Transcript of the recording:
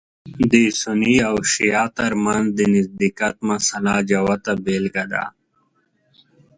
د سني او شعیه تر منځ د نزدېکت مسأله جوته بېلګه ده.